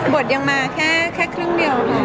บทไปก็แค่ครึ่งเดียว